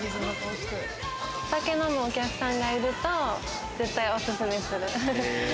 お酒飲むお客さんがいると、絶対おすすめする。